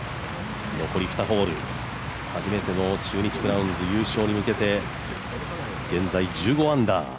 残り２ホール初めての中日クラウンズ優勝に向けて、現在、１５アンダー。